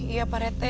iya pak rete